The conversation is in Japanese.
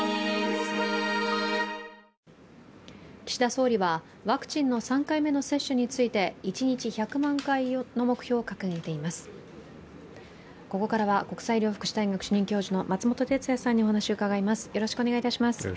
岸田総理はワクチンの３回目の接種について一日１００万回の目標を掲げています